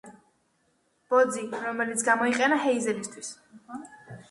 ბოძი, რომელიც გამოიყენა ჰეიზელისთვის.